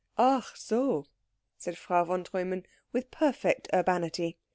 "Ach so," said Frau von Treumann with perfect urbanity.